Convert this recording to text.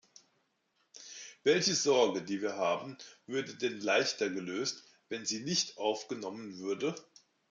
Welche Sorge, die wir haben, würde denn leichter gelöst, wenn sie nicht aufgenommen würden?